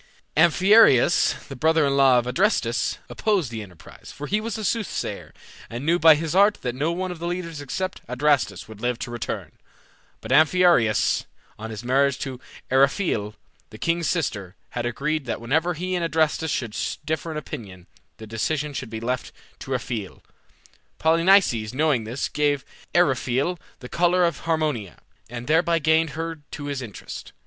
Amphiaraus, the brother in law of Adrastus, opposed the enterprise, for he was a soothsayer, and knew by his art that no one of the leaders except Adrastus would live to return. But Amphiaraus, on his marriage to Eriphyle, the king's sister, had agreed that whenever he and Adrastus should differ in opinion, the decision should be left to Eriphyle. Polynices, knowing this, gave Eriphyle the collar of Harmonia, and thereby gained her to his interest.